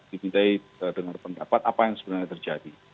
dimintai dengan pendapat apa yang sebenarnya terjadi